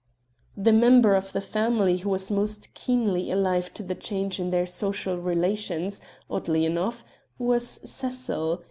The member of the family who was most keenly alive to the change in their social relations, oddly enough, was Cecil.